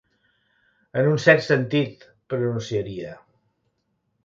En un cert sentit, pronunciaria.